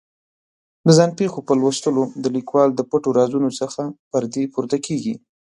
د ځان پېښو په لوستلو د لیکوال د پټو رازونو څخه پردې پورته کېږي.